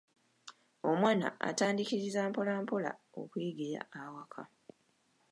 Omwana atandiikiriza mpola mpola okuyigira awaka.